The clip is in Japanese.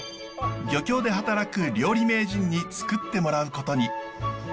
漁協で働く料理名人につくってもらうことに。